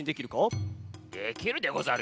できるでござる！